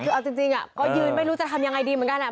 คือเอาจริงก็ยืนไม่รู้จะทำยังไงดีเหมือนกัน